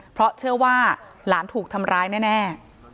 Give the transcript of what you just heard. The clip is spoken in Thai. เพราะเชื่อว่าหลานถูกทำร้ายแน่